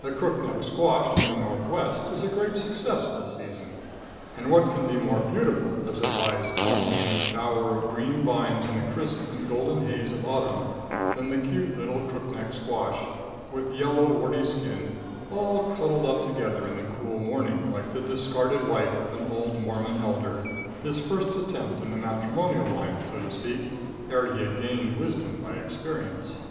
The crook neck squash in the Northwest is a great success this season. And what can be more beautiful, as it calmly lies in its bower of green vines in the crisp and golden haze of autumn, than the cute little crook neck squash, with yellow, warty skin, all cuddled up together in the cool morning, like the discarded wife of an old Mormon elder his first attempt in the matrimonial line, so to speak, ere he had gained wisdom by experience.